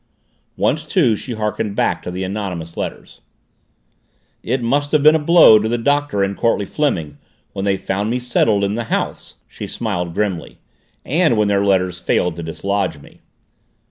Once, too, she harkened back to the anonymous letters "It must have been a blow to the Doctor and Courtleigh Fleming when they found me settled in the house!" She smiled grimly. "And when their letters failed to dislodge me."